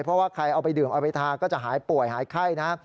เพราะว่าใครเอาไปดื่มเอาไปทาก็จะหายป่วยหายไข้นะ